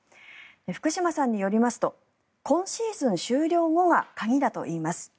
福島さんによりますと今シーズン終了後が鍵だといいます。